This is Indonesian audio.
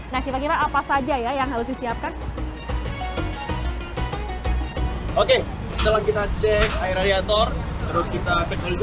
nah kira kira apa saja ya yang harus disiapkan oke kita cek air radiator terus kita cek hal itu